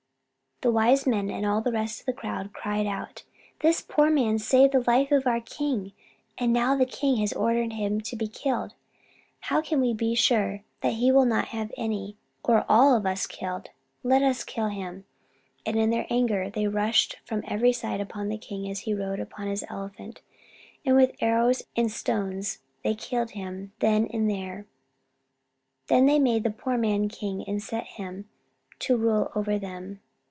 The wise men and all the rest of the crowd cried out: "This poor man saved the life of our king, and now the king has ordered him to be killed. How can we be sure that he will not have any, or all, of us killed? Let us kill him." And in their anger they rushed from every side upon the king as he rode on his elephant, and with arrows and stones they killed him then and there. Then they made the poor man king, and set him to rule over them.